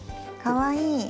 かわいい。